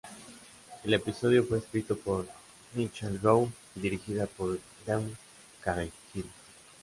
El episodio fue escrito por Michael Rowe y dirigida por Dwayne Carey-Hill.